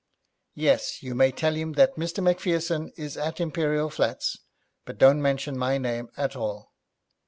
Yes, you may tell him that Mr. Macpherson is at Imperial Flats, but don't mention my name at all.